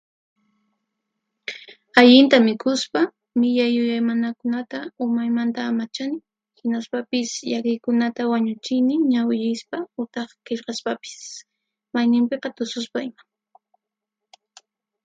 Allinta mikhuspa, millay yuyaymanakunata umaymanta amachan, hinaspapis llakiykunata wañuchini ñawirispa utaq qillqaspapis; mayninpiqa tususpa ima.